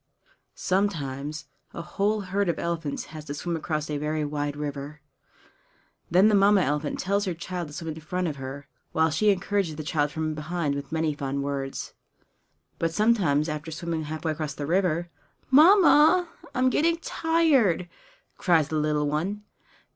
Sometimes a whole herd of elephants has to swim across a very wide river. Then the Mamma elephant tells her child to swim in front of her, while she encourages the child from behind with many fond words. But sometimes after swimming halfway across the river "Mamma, I am getting tired!" cries the little one.